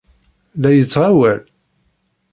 La yettɣawal?